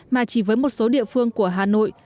mà chỉ với một số địa phương của hà nội